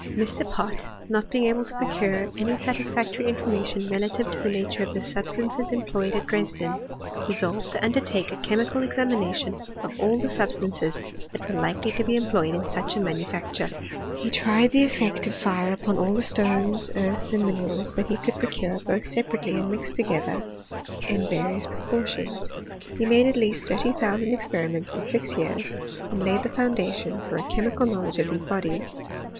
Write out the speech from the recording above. Mr. Pott, not being able to procure any satisfactory information re lative to the nature of the substances employed at Dresden, resolved to undertake a chemical examina tion of all the substances that were likely to be em ployed in such a manufactui^. He tried the effect 6f fir6 Upon all th6 stbhes, (garths, and mln^fitls, that h^ could procure, both separately and mixed together itt 268 HI8T0Rir OF CHEMISTRY. various proportions. He made at least thirty thousand experiments in six years, and laid the foundation for a chemical knowledge of these bodies.